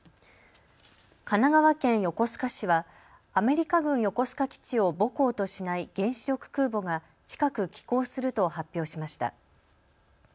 神奈川県横須賀市はアメリカ軍横須賀基地を母港としない原子力空母が近く寄港すると発表しました。